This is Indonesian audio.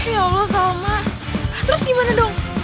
ya allah sama terus gimana dong